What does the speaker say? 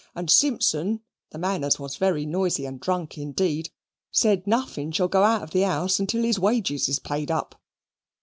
And Simpson, the man as was very noisy and drunk indeed, says nothing shall go out of the house until his wages is paid up."